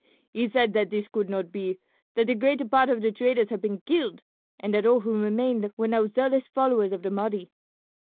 He said that this could not be, that the greater part of the traders had been killed, and that all who remained were now zealous followers of the Mahdi.